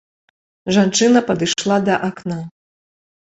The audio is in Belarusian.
Жанчына падышла да акна.